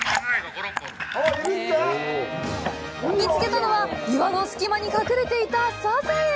見つけたのは岩の隙間に隠れていたサザエ。